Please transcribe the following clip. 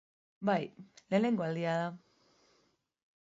Bai, lehenengo aldia da.